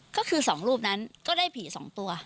ก็คือ๒รูปนั้นก็ได้ผี๒ตัว